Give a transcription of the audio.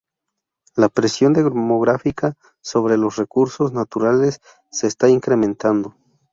La presión demográfica sobre los recursos naturales se está incrementando.